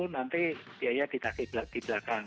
nanti biaya di belakang